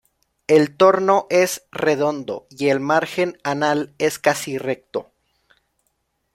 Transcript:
El torno es redondo y el margen anal es casi recto.